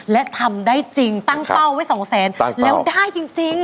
และทำได้จริงตั้งเป้าไว้สองแสนแล้วได้จริง